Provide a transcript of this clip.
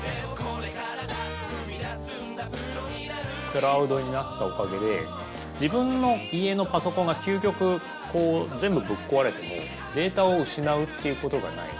クラウドになったおかげで自分の家のパソコンが究極全部ぶっこわれてもデータを失うっていうことがない。